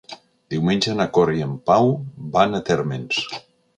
Diumenge na Cora i en Pau van a Térmens.